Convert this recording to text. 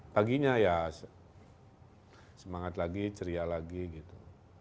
paginya ya semangat lagi ceria lagi gitu